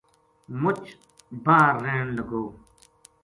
مُچ باہر رہن لگو